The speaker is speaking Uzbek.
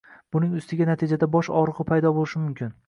uning ustiga natijada bosh og‘rig‘i paydo bo‘lishi mumkin.